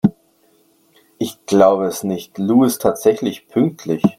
Ich glaube es nicht, Lou ist tatsächlich pünktlich!